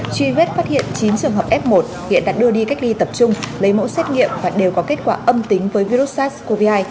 truy vết phát hiện chín trường hợp f một hiện đã đưa đi cách ly tập trung lấy mẫu xét nghiệm và đều có kết quả âm tính với virus sars cov hai